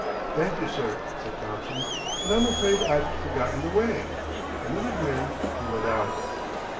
"Thank you, sir," said Thompson; "but I'm afraid I've forgotten the way," and with a grin he went out.